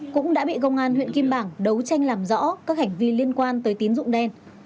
cũng đã bị công an huyện kim bảng đấu tranh làm rõ các hành vi liên quan tới tín dụng đen